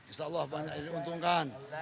insya allah banyak yang diuntungkan